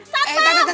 pak deddy apa kabar